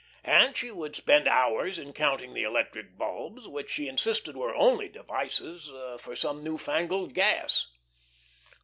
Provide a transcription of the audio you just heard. And she would spend hours in counting the electric bulbs, which she insisted were only devices for some new fangled gas.